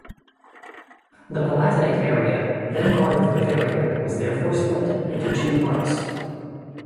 The Palatinate area, then part of Bavaria, was therefore split in two parts.